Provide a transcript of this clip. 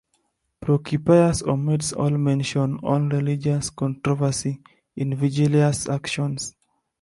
Procopius omits all mention of religious controversy in Vigilius' actions.